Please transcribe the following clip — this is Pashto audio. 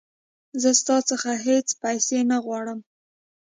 زه ستا څخه هیڅ پیسې نه غواړم.